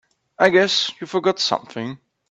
I guess you forgot something.